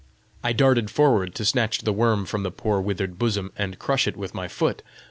I darted forward to snatch the worm from the poor withered bosom, and crush it with my foot.